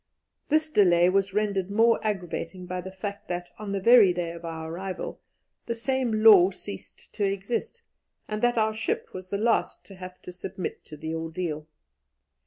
This delay was rendered more aggravating by the fact that, on the very day of our arrival, the same law ceased to exist, and that our ship was the last to have to submit to the ordeal.